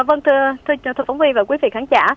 vâng thưa thưa thưa thưa phóng viên và quý vị khán giả